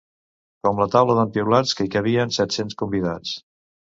Com la taula d'en Piulats, que hi cabien set-cents convidats.